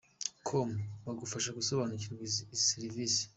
com bagufasha gusobanukirwa n izi servisi .